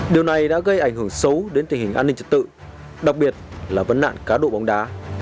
điều này đã gây ảnh hưởng xấu đến tình hình an ninh trật tự đặc biệt là vấn nạn cá độ bóng đá